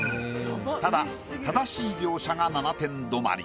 ただ正しい描写が７点止まり。